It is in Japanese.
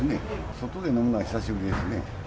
外で飲んだのは久しぶりですね。